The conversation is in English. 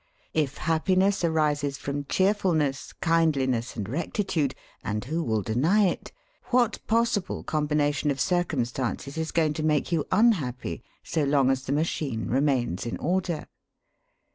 If happiness arises from cheerfulness, kindliness, and rectitude (and who will deny it?), what possible combination of circumstances is going to make you unhappy so long as the machine remains in order?